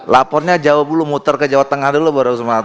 lapornya jawa dulu muter ke jawa tengah dulu baru sumatera